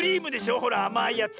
ほらあまいやつ。